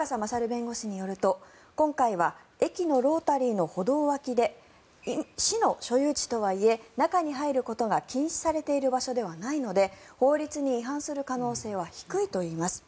弁護士によると今回は駅のロータリーの歩道脇で市の所有地とはいえ中に入ることが禁止されている場所ではないので法律に違反する可能性は低いといいます。